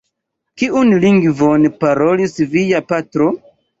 Kiun lingvon parolis via patro?